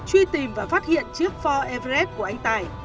truy tìm và phát hiện chiếc ford everest của anh tài